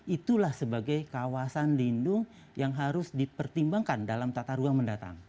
itulah sebagai kawasan lindung yang harus dipertimbangkan dalam tata ruang mendatang